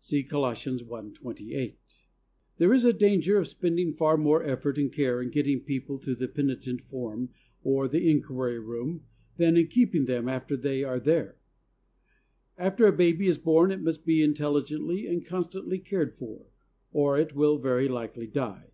(See Col. i: 28.) There is danger of spending far more effort and care in getting people to the penitent form or the inquiry room, than in keeping 118 THE soul winner's SECRET. them after they are there. After a baby is born it must be intelligently and constantly cared for, or it will very likely die.